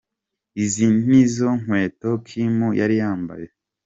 Izi nizo nkweto Kim yari yambaye.